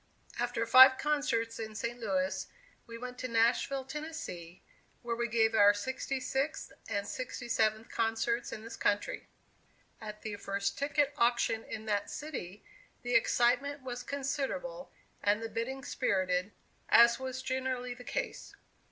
After five concerts in St. Louis, we went to Nashville, Tennessee, where we gave our sixty sixth and sixty seventh concerts in this country. At the first ticket auction in that city, the excitement was considerable and the bidding spirited, as was generally the case.